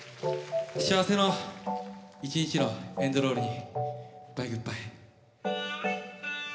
幸せの一日のエンドロールに。